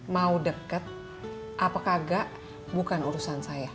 mau deket apa kagak bukan urusan saya